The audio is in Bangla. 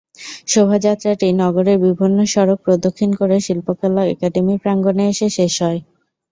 শোভাযাত্রাটি নগরের বিভিন্ন সড়ক প্রদক্ষিণ করে শিল্পকলা একাডেমি প্রাঙ্গণে এসে শেষ হয়।